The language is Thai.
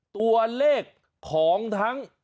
ตัวเลขของทั้ง